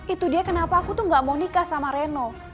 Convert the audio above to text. itu dia kenapa aku tuh gak mau nikah sama reno